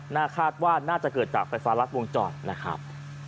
คาดว่าน่าจะเกิดจากไฟฟ้ารัดวงจรนะครับ